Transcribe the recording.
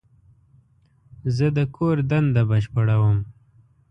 زه د کور دنده بشپړوم.